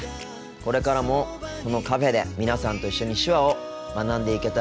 これからもこのカフェで皆さんと一緒に手話を学んでいけたらいいなと思っています。